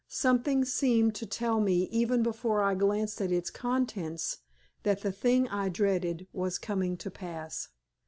Something seemed to tell me even before I glanced at its contents that the thing I dreaded was coming to pass.